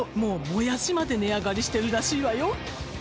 モヤシまで値上がりしてるらしいわよ。